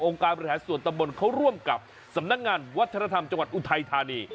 การบริหารส่วนตำบลเขาร่วมกับสำนักงานวัฒนธรรมจังหวัดอุทัยธานี